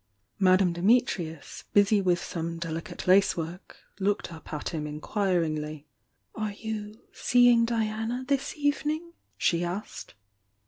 Madame Dimitrius, busy with some delicate lace work, looked up at him inquiringly. "Are you seeing Diana this evening?" she asked.